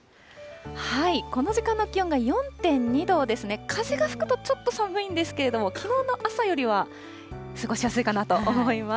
この時間の気温が４．２度ですね、風が吹くとちょっと寒いんですけれども、の朝よりは過ごしやすいかなと思います。